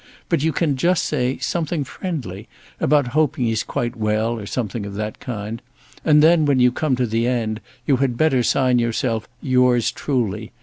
But you can just say something friendly, about hoping he's quite well, or something of that kind. And then when you come to the end, you had better sign yourself 'Yours truly.'